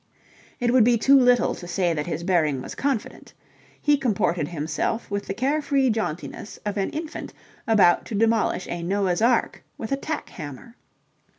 It would be too little to say that his bearing was confident: he comported himself with the care free jauntiness of an infant about to demolish a Noah's Ark with a tack hammer.